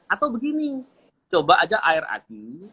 atau begini coba aja air aki